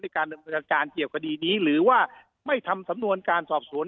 ในการเรียกกับการเกี่ยวกับคดีนี้หรือว่าไม่ทำสำนวนการสอบสวน